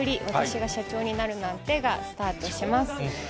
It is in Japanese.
わたしが社長になるなんてがスタートします。